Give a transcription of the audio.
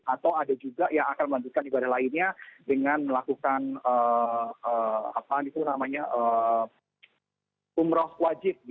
atau ada juga yang akan melanjutkan ibadah lainnya dengan melakukan umroh wajib